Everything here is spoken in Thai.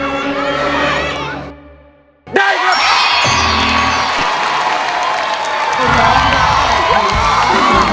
มูลค่าสองหมื่นบาทให้ร้าง